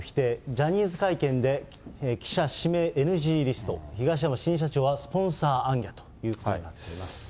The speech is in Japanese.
ジャニーズ会見で記者指名ＮＧリスト、東山新社長はスポンサー行脚ということになっています。